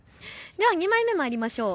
２枚目まいりましょう。